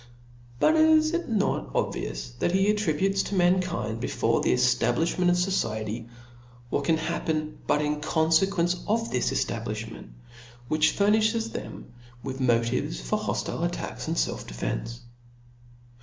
But is it not obvious that he attributes to mankind before the eftablifhment of fociety, what can happ^en but in confequence of this eftablifhmenr, which fur nifhes them with motives for hoftile attacks and felf defence